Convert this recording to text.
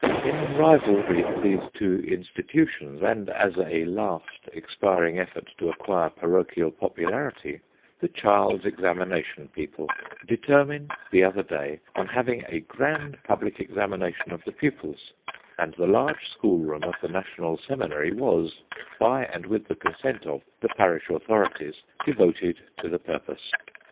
In rivalry of these two institutions, and as a last expiring effort to acquire parochial popularity, the child's examination people deter mined, the other day, on having a grand public examination of the pupils ; and the large school room of the national seminary was, by and with the consent of the parish authorities, devoted to the purpose.